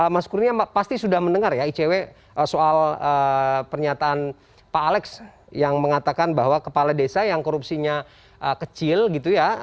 mas kurnia pasti sudah mendengar ya icw soal pernyataan pak alex yang mengatakan bahwa kepala desa yang korupsinya kecil gitu ya